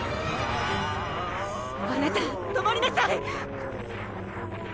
あなた止まりなさい！